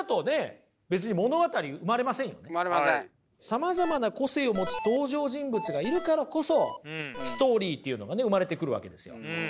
さまざまな個性を持つ登場人物がいるからこそストーリーっていうのがね生まれてくるわけですよ。